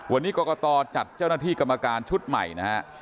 วันนี้กรกตจัดเจ้าหน้าที่กรรมการชุดใหม่นะฮะ